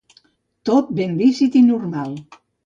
Tot ben lícit i normal.